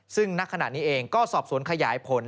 ซึ่งณขณะนี้เองก็สอบสวนขยายผล